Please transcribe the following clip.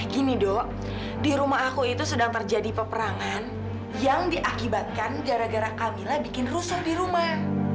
gini dok di rumah aku itu sedang terjadi peperangan yang diakibatkan gara gara camilla bikin rusuh di rumah